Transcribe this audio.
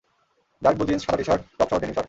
Dark blue jeans, সাদা T-shirt, টপসহ denim shirt.